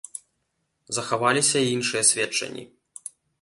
Захаваліся і іншыя сведчанні.